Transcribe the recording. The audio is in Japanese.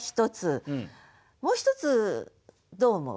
もう一つどう思う？